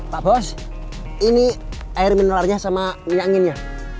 pak bos ini air menularnya sama minyak anginnya